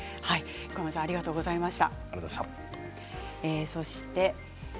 横山さんありがとうございました。